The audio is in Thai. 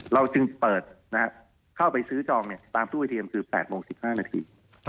เราจึงเปิดนะครับเข้าไปซื้อจองเนี่ยตามสู้อเทียมคือ๘โมง๑๕นาที